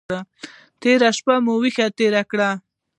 تېره شپه مو په ویښه تېره کړې وه.